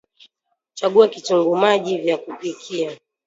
Chagua kitunguu maji vya kupikia